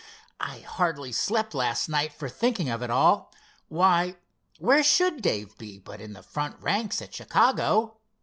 "I hardly slept last night for thinking of it all. Why, where should Dave be but in the front ranks at Chicago?